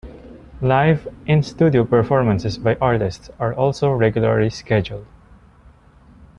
Live, in-studio performances by artists are also regularly scheduled.